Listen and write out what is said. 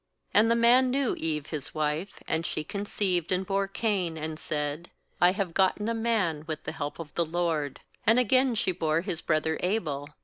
A And the man knew Eve his wife; ^ and she conceived and bore Cain, and said: 'I have bgotten a man with the help of the LORD.' 2And again she bore his brother Abel.